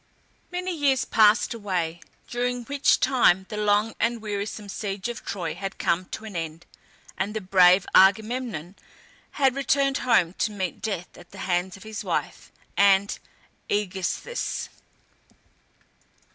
Many years passed away, during which time the long and wearisome siege of Troy had come to an end, and the brave Agamemnon had returned home to meet death at the hands of his wife and Aegisthus.